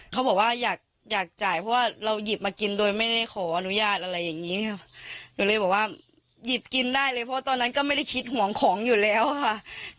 เขาบอกว่าอยากอยากจ่ายเพราะว่าเราหยิบมากินโดยไม่ได้ขออนุญาตอะไรอย่างนี้ค่ะหนูเลยบอกว่าหยิบกินได้เลยเพราะตอนนั้นก็ไม่ได้คิดห่วงของอยู่แล้วค่ะ